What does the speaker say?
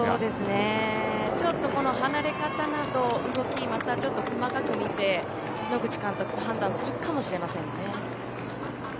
ちょっとこの離れ方など動き、またちょっと細かく見て野口監督判断するかもしれませんね。